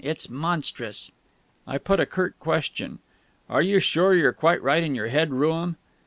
It's monstrous!" I put a curt question. "Are you sure you're quite right in your head, Rooum?"